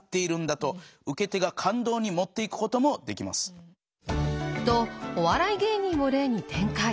当然。とお笑い芸人を例に展開。